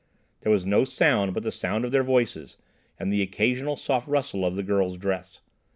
There was no sound but the sound of their voices and the occasional soft rustle of the girl's dress.